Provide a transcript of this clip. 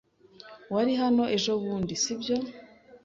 Wari hano ejobundi, si byo?